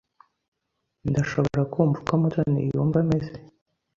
Ndashobora kumva uko Mutoni yumva ameze.